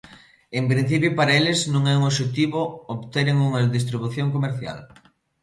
En principio para eles non é un obxectivo obteren unha distribución comercial.